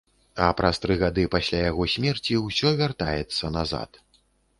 А праз тры гады пасля яго смерці ўсё вяртаецца назад.